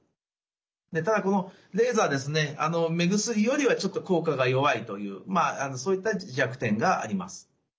でただこのレーザーですね目薬よりはちょっと効果が弱いというそういった弱点があります。